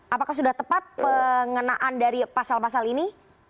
apakah sudah tepat pengenaan dari pasal pasal ini